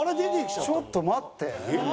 ちょっと待って。